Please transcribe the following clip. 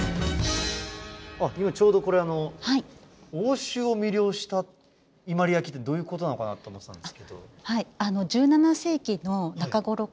今ちょうどこれ欧州を魅了した伊万里焼ってどういうことなのかなって思ってたんですけど。